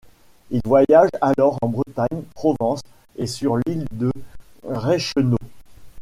Il voyage alors en Bretagne, Provence et sur l'Île de Reichenau.